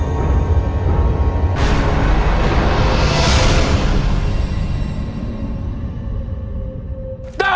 เยี่ยมมาก